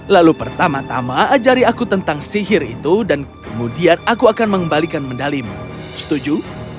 lalu pertama tama ajari aku tentang sihir itu dan kemudian aku akan mengembalikan medalimu setuju